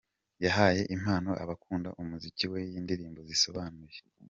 Yahaye impano abakunda umuziki we y’indirimbo zisobanuye.